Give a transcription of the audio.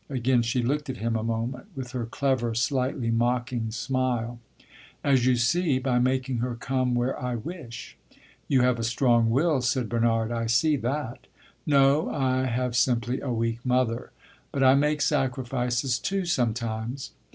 Again she looked at him a moment, with her clever, slightly mocking smile. "As you see. By making her come where I wish." "You have a strong will," said Bernard. "I see that." "No. I have simply a weak mother. But I make sacrifices too, sometimes."